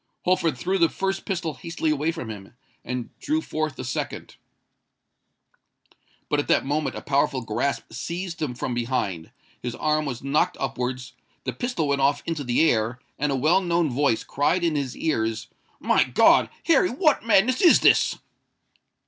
Holford threw the first pistol hastily away from him, and drew forth the second. But at that moment a powerful grasp seized him from behind,—his arm was knocked upwards,—the pistol went off into the air,—and a well known voice cried in his ears, "My God! Harry, what madness is this?"